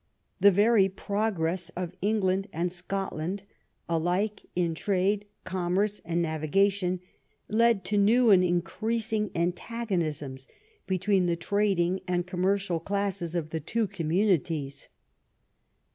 The very progress of Eng land and Scotland, alike in trade, commerce, and navi gation, led to new and increasing antagonisms between the trading and commercial classes of the two com munities.